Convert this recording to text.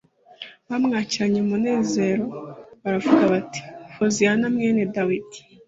bamwakiranye umunezero bavuga bati: «Hoziyana mwene Dawidi!